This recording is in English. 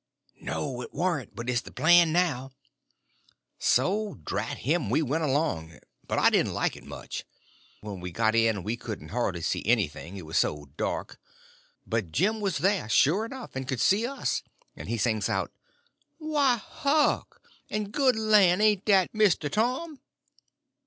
"No, it warn't; but it's the plan now." So, drat him, we went along, but I didn't like it much. When we got in we couldn't hardly see anything, it was so dark; but Jim was there, sure enough, and could see us; and he sings out: "Why, Huck! En good lan'! ain' dat Misto Tom?"